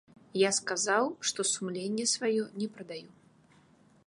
Я сказаў, што сумленне сваё не прадаю.